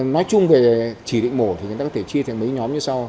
nói chung về chỉ định mổ thì người ta có thể chia thành mấy nhóm như sau